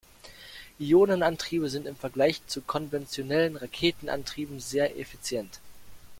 Ionenantriebe sind im Vergleich zu konventionellen Raketentriebwerken sehr effizient.